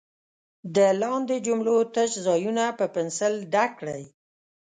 د لاندې جملو تش ځایونه په پنسل ډک کړئ.